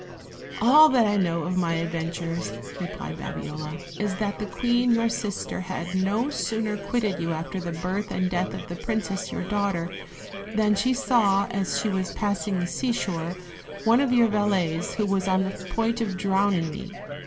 "All that I know of my adventures," replied Babiola, "is that the queen your sister had no sooner quitted you after the birth and death of the princess your daughter, than she ;aw, as she was passing the seashore, one of your valets who was on the point of drowning me.